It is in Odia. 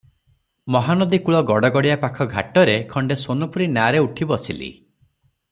ମହାନଦୀ କୂଳ ଗଡ଼ଗଡ଼ିଆ ପାଖ ଘାଟରେ ଖଣ୍ଡେ ସୋନପୁରୀ ନାଆରେ ଉଠି ବସିଲି ।